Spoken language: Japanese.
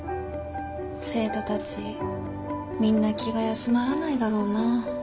生徒たちみんな気が休まらないだろうな。